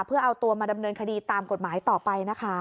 เพื่อเอาตัวมาดำเนินคดีตามกฎหมายต่อไปนะคะ